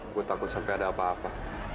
gue takut sampai ada apa apa